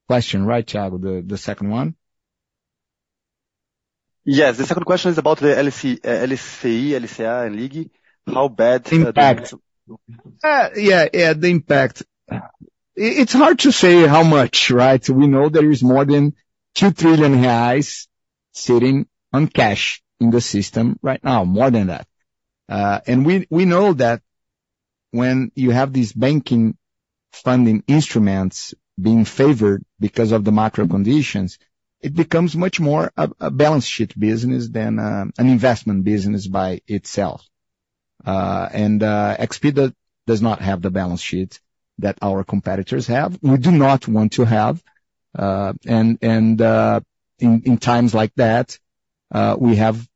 question, right, Thiago, the second one? Yes, the second question is about the LCI, LCA and LIG. How bad the impact- Yeah, yeah, the impact. It's hard to say how much, right? We know there is more than 2 trillion reais sitting on cash in the system right now, more than that. And we know that when you have these banking funding instruments being favored because of the macro conditions, it becomes much more a balance sheet business than an investment business by itself. And XP does not have the balance sheet that our competitors have. We do not want to have, and in times like that, we have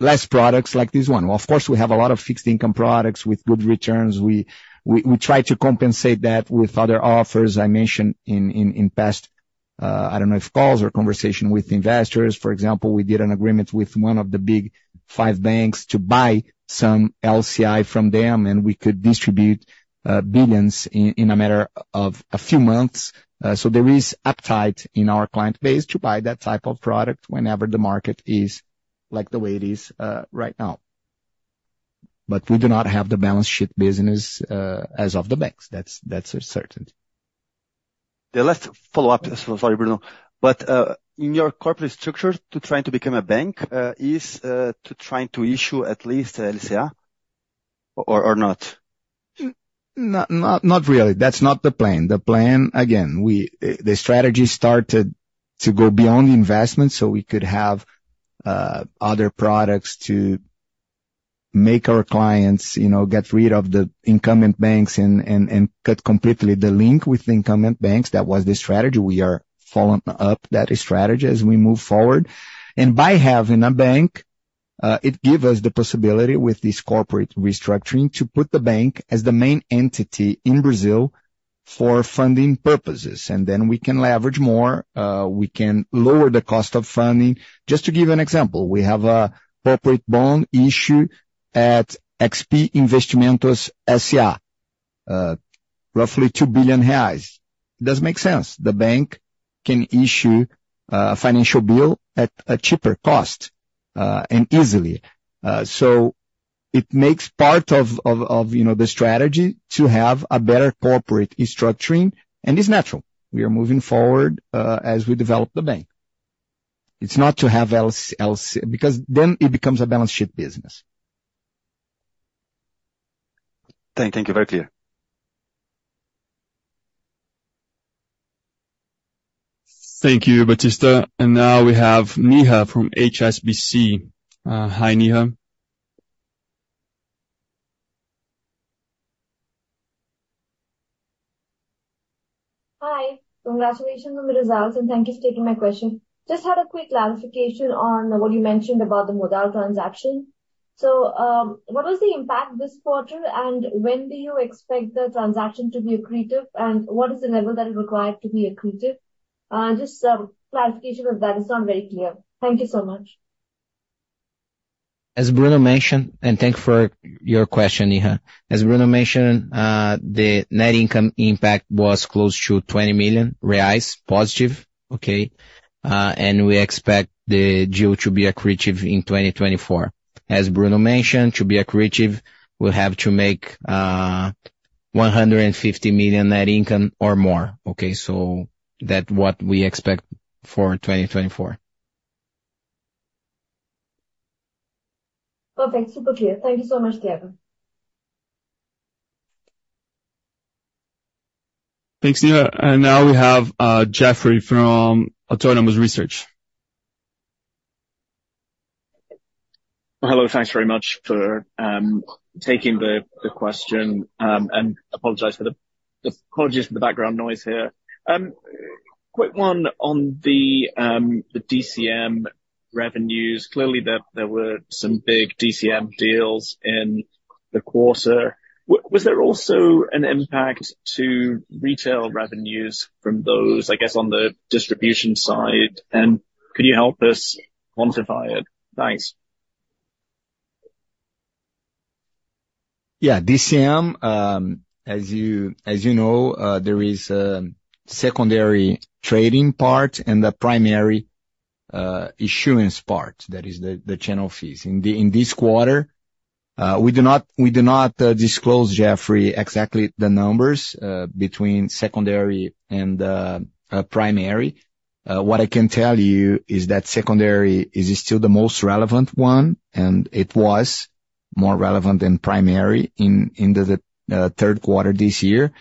less products like this one. Of course, we have a lot of fixed income products with good returns. We try to compensate that with other offers I mentioned in past. I don't know if calls or conversation with investors. For example, we did an agreement with one of the big five banks to buy some LCI from them, and we could distribute billions in a matter of a few months. So there is appetite in our client base to buy that type of product whenever the market is like the way it is right now. But we do not have the balance sheet business as of the banks. That's for certain. The last follow-up. Sorry, Bruno, but in your corporate structure, to trying to become a bank, is to trying to issue at least LCR? Or not? Not, not really. That's not the plan. The plan, again, we, the strategy started to go beyond investment, so we could have, other products to make our clients, you know, get rid of the incumbent banks and, and, and cut completely the link with the incumbent banks. That was the strategy. We are following up that strategy as we move forward. And by having a bank, it give us the possibility with this corporate restructuring, to put the bank as the main entity in Brazil for funding purposes, and then we can leverage more, we can lower the cost of funding. Just to give an example, we have a corporate bond issue at XP Investimentos S.A., roughly 2 billion reais. It doesn't make sense. The bank can issue, a financial bill at a cheaper cost, and easily. It makes part of, you know, the strategy to have a better corporate structuring, and it's natural. We are moving forward, as we develop the bank. It's not to have LC, because then it becomes a balance sheet business. Thank you. Very clear. Thank you, Batista. Now we have Neha from HSBC. Hi, Neha. Hi. Congratulations on the results, and thank you for taking my question. Just had a quick clarification on what you mentioned about the Modal transaction. So, what was the impact this quarter, and when do you expect the transaction to be accretive? And what is the level that is required to be accretive? Just clarification of that, it's not very clear. Thank you so much. As Bruno mentioned, thank you for your question, Neha. As Bruno mentioned, the net income impact was close to 20 million reais, positive, okay? We expect the deal to be accretive in 2024. As Bruno mentioned, to be accretive, we'll have to make 150 million net income or more. Okay, so that what we expect for 2024. Perfect. Super clear. Thank you so much, Steven. Thanks, Neha. Now we have, Geoffrey from Autonomous Research. Hello, thanks very much for taking the question. And apologies for the background noise here. Quick one on the DCM revenues. Clearly, there were some big DCM deals in the quarter. Was there also an impact to retail revenues from those, I guess, on the distribution side? And could you help us quantify it? Thanks. Yeah. DCM, as you, as you know, there is a secondary trading part and a primary issuance part. That is the channel fees. In this quarter, we do not disclose, Geoffrey, exactly the numbers between secondary and primary. What I can tell you is that secondary is still the most relevant one, and it was more relevant than primary in the Third Quarter this year.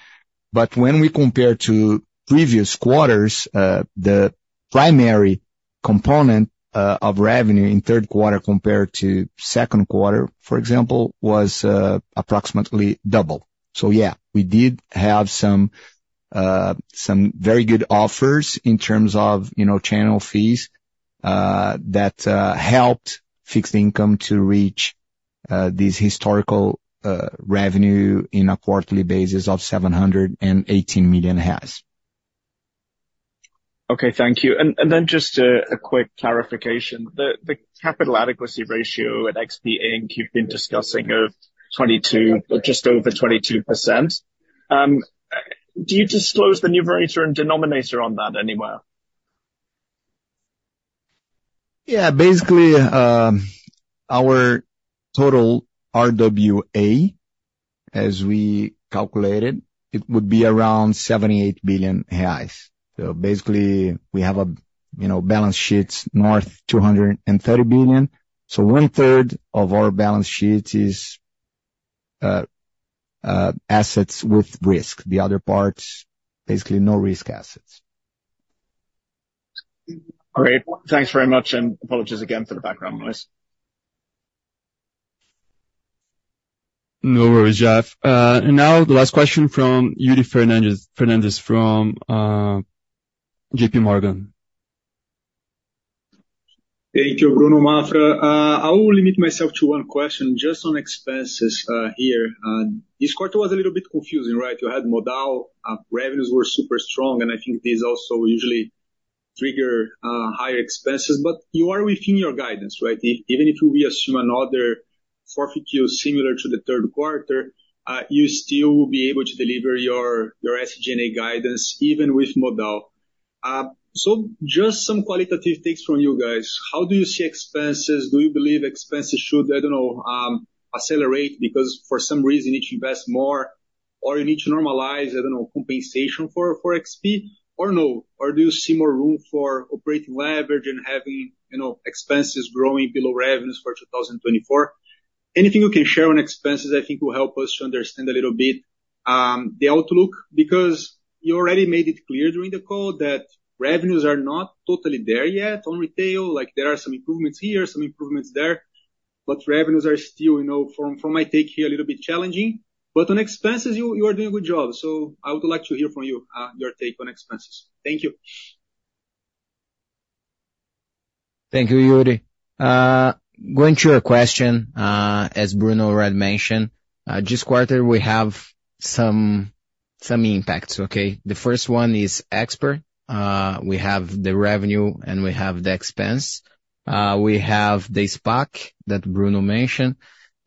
But when we compare to previous quarters, the primary component of revenue in Third Quarter compared to Second Quarter, for example, was approximately double. So yeah, we did have some, some very good offers in terms of, you know, channel fees that helped fixed income to reach this historical revenue in a quarterly basis of 718 million. Okay, thank you. And then just a quick clarification. The capital adequacy ratio at XP Inc. you've been discussing of 22, just over 22%. Do you disclose the numerator and denominator on that anywhere? Yeah. Basically, our total RWA, as we calculated, it would be around 78 billion reais. So basically, we have a, you know, balance sheets north 230 billion. So one third of our balance sheet is assets with risk. The other parts, basically no-risk assets. Great. Thanks very much, and apologies again for the background noise. No worries, Geoff. And now the last question from Yuri Fernandes, Fernandes from JP Morgan. Thank you, Bruno, Maffra. I will limit myself to one question, just on expenses, here. This quarter was a little bit confusing, right? You had Modal, revenues were super strong, and I think these also usually trigger higher expenses, but you are within your guidance, right? Even if we assume another Q4 similar to the Third Quarter, you still will be able to deliver your SG&A guidance, even with Modal. So just some qualitative takes from you guys. How do you see expenses? Do you believe expenses should, I don't know, accelerate? Because for some reason, you invest more or you need to normalize, I don't know, compensation for XP or no? Or do you see more room for operating leverage and having, you know, expenses growing below revenues for 2024? Anything you can share on expenses, I think, will help us to understand a little bit the outlook, because you already made it clear during the call that revenues are not totally there yet on retail. Like, there are some improvements here, some improvements there, but revenues are still, you know, from, from my take here, a little bit challenging. But on expenses, you, you are doing a good job. So I would like to hear from you your take on expenses. Thank you. Thank you, Yuri. Going to your question, as Bruno already mentioned, this quarter we have some impacts, okay? The first one is Expert. We have the revenue, and we have the expense. We have the SPAC that Bruno mentioned,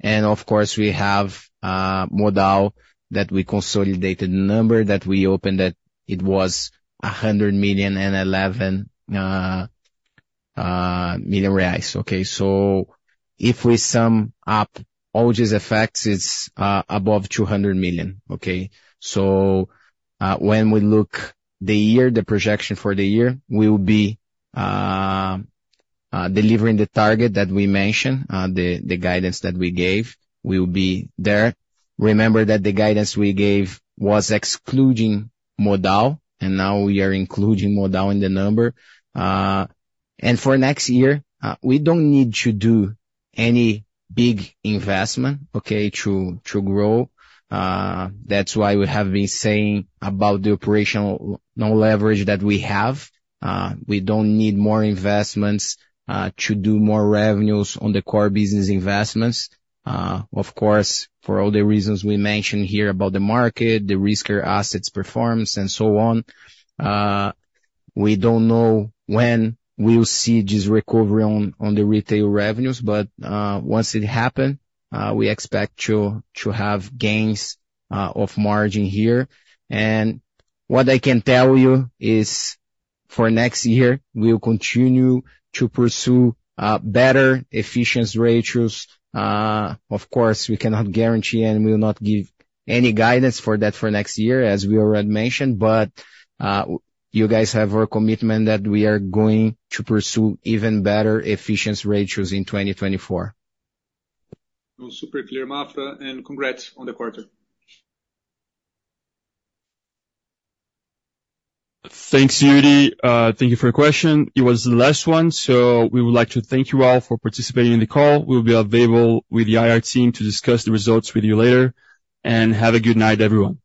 and of course, we have Modal, that we consolidated the number that we opened, that it was 101 million, okay? So if we sum up all these effects, it's above 200 million, okay? So, when we look the year, the projection for the year, we will be delivering the target that we mentioned. The guidance that we gave, we will be there. Remember that the guidance we gave was excluding Modal, and now we are including Modal in the number. And for next year, we don't need to do any big investment, okay, to grow. That's why we have been saying about the operational leverage that we have. We don't need more investments to do more revenues on the core business investments. Of course, for all the reasons we mentioned here about the market, the riskier assets performance, and so on, we don't know when we will see this recovery on the retail revenues, but once it happen, we expect to have gains of margin here. And what I can tell you is, for next year, we will continue to pursue better efficiency ratios. Of course, we cannot guarantee, and we will not give any guidance for that for next year, as we already mentioned, but, you guys have our commitment that we are going to pursue even better efficiency ratios in 2024. Super clear, Maffra, and congrats on the quarter. Thanks, Yuri. Thank you for your question. It was the last one, so we would like to thank you all for participating in the call. We will be available with the IR team to discuss the results with you later. Have a good night, everyone.